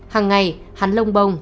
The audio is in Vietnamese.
hằng ngày hắn lông bông